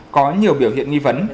có nhiều biểu hiện nghi vấn